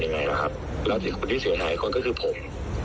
อย่างไรนะครับแล้วที่เสียหายคนก็คือผม